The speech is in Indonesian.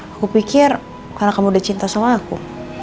aku pikir karena kamu udah cinta sama aku